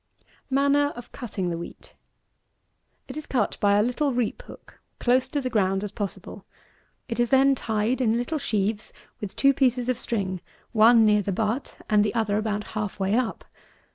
229. MANNER OF CUTTING THE WHEAT. It is cut by a little reap hook, close to the ground as possible. It is then tied in little sheaves, with two pieces of string, one near the butt, and the other about half way up.